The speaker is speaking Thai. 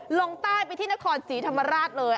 ลงใต้ไปที่นครศรีธรรมราชเลย